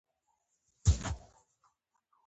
نظم د زده کړې یوه مهمه برخه وه.